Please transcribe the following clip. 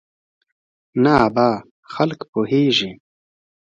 نه ابا خلک پوېېږي.